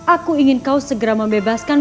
aku ingin kau segera membebaskan